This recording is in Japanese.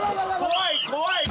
怖い怖い。